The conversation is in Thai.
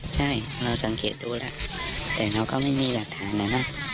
ใช่เราสังเกตดูแล้วแต่เราก็ไม่มีหลักฐานนะนะ